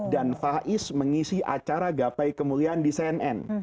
dan faiz mengisi acara gapai kemuliaan di cnn